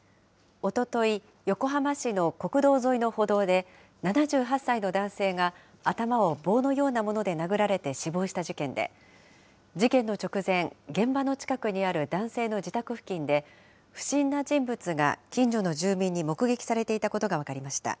おととい、横浜市の国道沿いの歩道で、７８歳の男性が頭を棒のようなもので殴られて死亡した事件で、事件の直前、現場の近くにある男性の自宅付近で、不審な人物が近所の住民に目撃されていたことが分かりました。